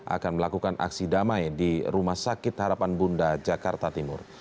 akan melakukan aksi damai di rumah sakit harapan bunda jakarta timur